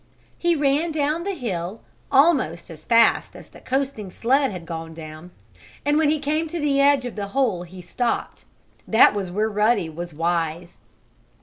He ran down the hill, almost as fast as the coasting sled had gone down, and when he came to the edge of the hole he stopped. That was where Ruddy was wise.